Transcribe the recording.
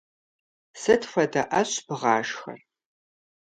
Сыт хуэдэ ӏэщ бгъашхэр?